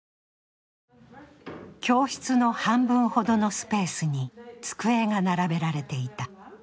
教室の半分ほどのスペースに机が並べられていた。